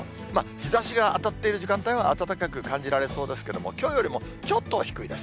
日ざしが当たっている時間帯は暖かく感じられそうですけれども、きょうよりもちょっと低いです。